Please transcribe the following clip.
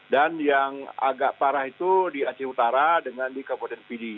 dan yang agak parah itu di aceh utara dengan di kabupaten pd